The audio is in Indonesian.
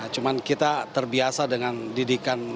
cuman kita terbiasa dengan didikan